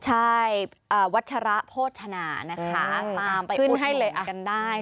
ใช่วัฒระโภชนาตามไปอุดลงกันได้